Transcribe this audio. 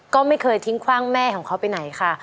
ก็ไม่เคยทิ้งคว่างแม่ของเขาไปไหนค่ะ